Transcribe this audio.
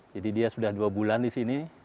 jadi dia sudah dua bulan disini